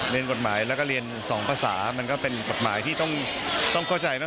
เรียนกฎหมายแล้วก็เรียนสองภาษามันก็เป็นกฎหมายที่ต้องเข้าใจนะ